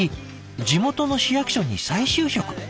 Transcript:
地元の市役所に再就職。